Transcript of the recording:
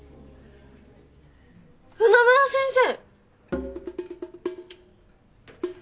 船村先生！